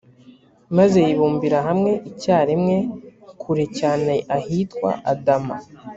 maze yibumbira hamwe icyarimwe kure cyane ahitwa adama